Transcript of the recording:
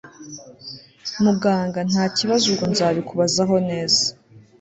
Muganga ntakibazo ubwo nzabikubazaho neza